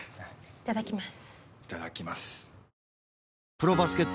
いただきます。